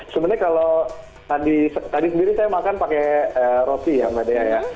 sebenarnya kalau tadi sendiri saya makan pakai roti ya mbak dea ya